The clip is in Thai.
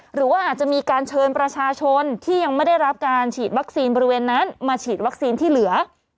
หรือว่าอาจจะมีการเชิญประชาชนที่ยังไม่ได้รับการฉีดวัคซีนบริเวณนั้นมาฉีดวัคซีนที่เหลือ